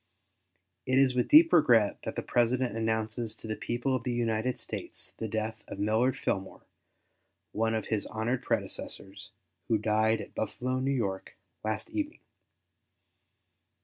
It is with deep regret that the President announces to the people of the United States the death of Millard Fillmore, one of his honored predecessors, who died at Buffalo, N.Y., last evening.